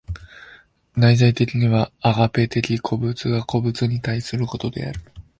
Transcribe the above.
内在的にはアガペ的に個物が個物に対することである。